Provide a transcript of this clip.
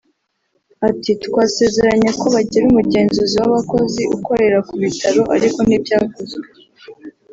ati “ Twasezeranye ko bagira umugenzuzi w’abakozi ukorera ku bitaro ariko ntibyakozwe